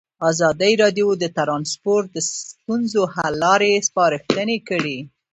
ازادي راډیو د ترانسپورټ د ستونزو حل لارې سپارښتنې کړي.